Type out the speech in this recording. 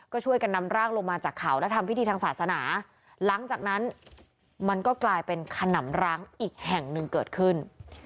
ก็ช่วยกันนำร่างลงมาจากเขาและทำพิธีทางศาสนาหลังจากนั้นมันก็กลายเป็นขนำร้างอีกแห่งหนึ่งเกิดขึ้น